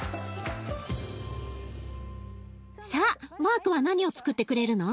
さあマークは何をつくってくれるの？